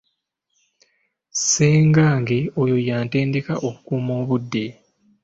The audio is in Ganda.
Ssengange oyo yantendeka okukuuma obudde.